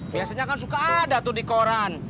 biasanya kan suka ada tuh di koran